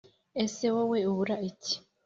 ese wowe ubura iki